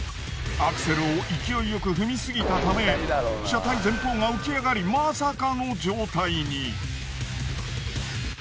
アクセルを勢いよく踏みすぎたため車体前方が浮き上がりまさかの状態に！